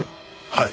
はい。